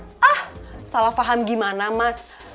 ah salah faham gimana mas